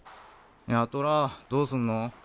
八虎どうすんの？